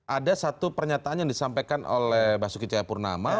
ada satu pernyataan yang disampaikan oleh basuki cahayapurnama